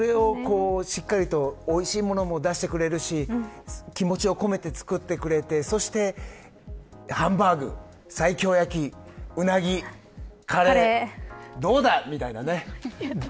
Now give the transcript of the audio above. そこでおいしいものも出してくれて気持ちを込めて作ってくれてそして、ハンバーグ、西京焼きうなぎ、カレーどうだ、みたいなね。